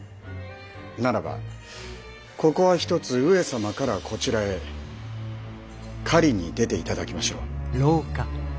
ならばここはひとつ上様からこちらへ狩りに出て頂きましょう。